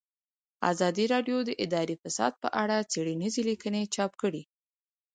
ازادي راډیو د اداري فساد په اړه څېړنیزې لیکنې چاپ کړي.